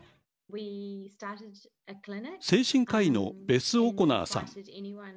精神科医のベス・オコナーさん。